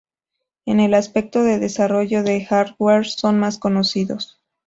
En el aspecto de desarrollo de hardware son más conocidos.